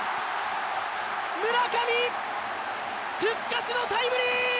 村上、復活のタイムリー！